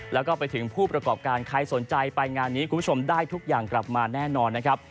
แล้วก็ไปถึงผู้ประกอบการใครสนใจไปงานนี้คุณผู้ชมได้ทุกอย่างกลับมาแน่นอนนะครับ